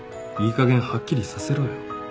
かげんはっきりさせろよ。